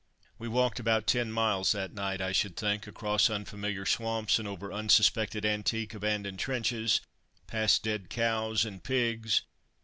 We walked about ten miles that night, I should think, across unfamiliar swamps and over unsuspected antique abandoned trenches, past dead cows and pigs.